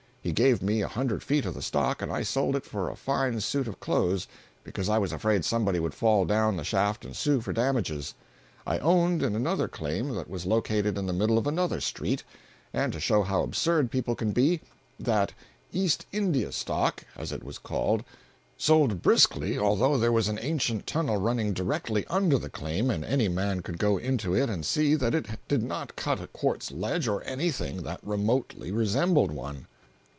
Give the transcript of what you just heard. He gave me a hundred feet of the stock and I sold it for a fine suit of clothes because I was afraid somebody would fall down the shaft and sue for damages. I owned in another claim that was located in the middle of another street; and to show how absurd people can be, that "East India" stock (as it was called) sold briskly although there was an ancient tunnel running directly under the claim and any man could go into it and see that it did not cut a quartz ledge or anything that remotely resembled one.